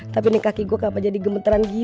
tapi ini kaki gue kagak jadi gemeteran gitu